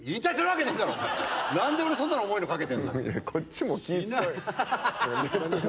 何で俺そんな重いのかけてんの？